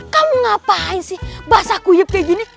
kamu ngapain sih basah kuyup kayak gini